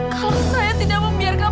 kalau saya tidak membiarkan